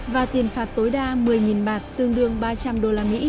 và tiền phạt tối đa một mươi bạt tương đương ba trăm linh usd